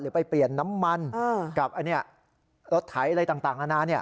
หรือไปเปลี่ยนน้ำมันกับรถไทยอะไรต่างอันนี้